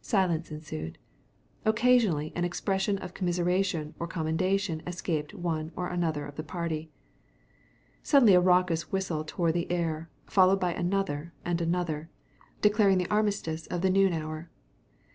Silence ensued. Occasionally an expression of commiseration or condemnation escaped one or another of the party. Suddenly a raucous whistle tore the air, followed by another and another, declaring the armistice of the noon hour.